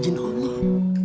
jadi kita harus bersyukur